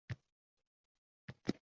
Keyin sen kelding